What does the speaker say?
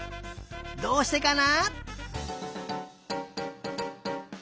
どうしてかな？